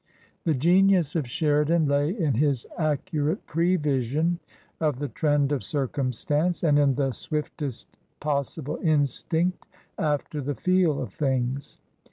The genius of Sheridan lay in his accurate pre vision of the trend of circumstance and in the swiftest possible instinct after the feel of things.